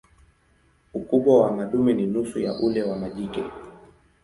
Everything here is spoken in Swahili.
Ukubwa wa madume ni nusu ya ule wa majike.